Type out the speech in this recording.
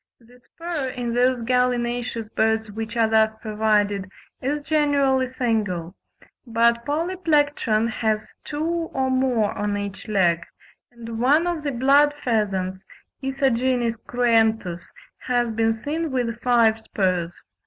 The spur, in those gallinaceous birds which are thus provided, is generally single; but Polyplectron (Fig. 51) has two or more on each leg; and one of the Blood pheasants (Ithaginis cruentus) has been seen with five spurs.